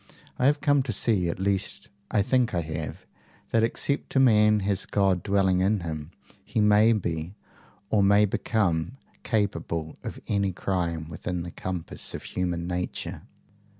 I have come to see at least I think I have that except a man has God dwelling in him, he may be, or may become, capable of any crime within the compass of human nature."